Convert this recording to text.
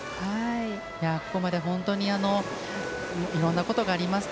ここまで本当にいろんなことがありました。